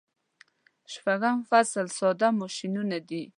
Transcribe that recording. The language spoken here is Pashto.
شپږم فصل ساده ماشینونه دي.